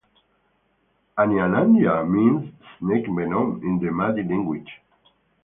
"Anyanya" means "snake venom" in the Madi language.